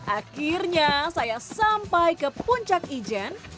akhirnya saya sampai ke puncak ijen